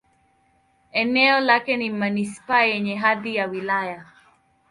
Eneo lake ni manisipaa yenye hadhi ya wilaya.